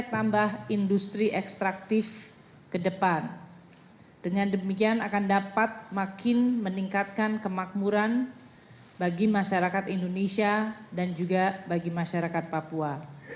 kementerian keuangan telah melakukan upaya upaya